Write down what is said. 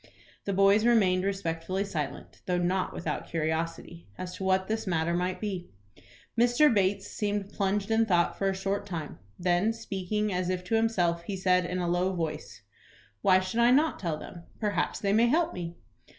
The boys remained respectfully silent, though not without curiosity as to what this matter might be. Mr. Bates seemed plunged in thought for a short time. Then speaking, as if to himself, he said, in a low voice, "Why should I not tell them? Perhaps they may help me."